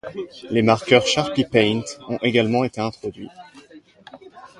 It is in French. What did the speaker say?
Les marqueurs Sharpie Paint ont également été introduits.